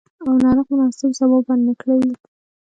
او ناروغ مناسب ځواب ورنکړي، حساسیت ټسټ حتمي دی.